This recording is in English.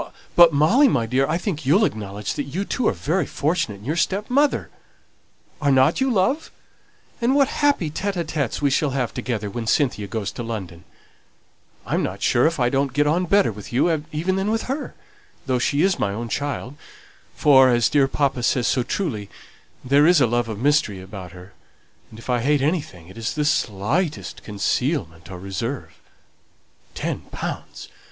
But, Molly my dear, I think you'll acknowledge that you too are very fortunate in your stepmother. Are not you, love? And what happy tÉte ł tÉtes we shall have together when Cynthia goes to London! I'm not sure if I don't get on better with you even than with her, though she is my own child; for, as dear papa says so truly, there is a love of mystery about her; and if I hate anything, it is the slightest concealment or reserve. Ten pounds!